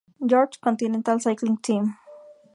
George Continental Cycling Team.